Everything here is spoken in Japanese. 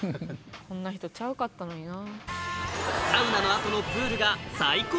こんな人ちゃうかったのにな。